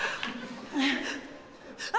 あ！